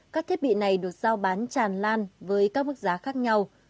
các thiết bị này được giao bán tràn lan với các mức giá khác nhau